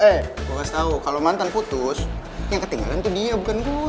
eh gue kasih tau kalau mantan putus yang ketinggalan tuh dia bukan gue